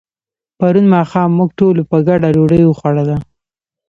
پرون ماښام موږ ټولو په ګډه ډوډۍ وخوړله.